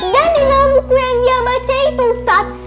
dan di dalam buku yang dia baca itu ustadz